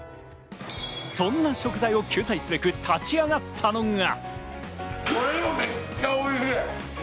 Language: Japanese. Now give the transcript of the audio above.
そんな食材を救済すべく立ち上がったのが。